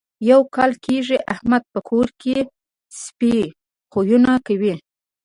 یو کال کېږي احمد په کور کې سپي خویونه کوي.